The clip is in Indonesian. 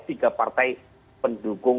tiga partai pendukung